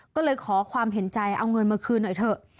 ก็เลยขอความเห็นใจเอาเงินมาคืนหน่อยเถอะ